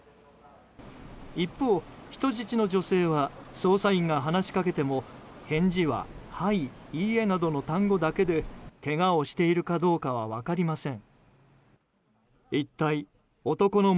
一方、人質の女性は捜査員が話しかけても返事ははい、いいえなどの単語だけでけがをしているかどうかは分かりません。